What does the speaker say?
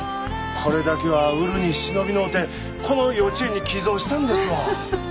これだけは売るに忍びのうてこの幼稚園に寄贈したんですわ。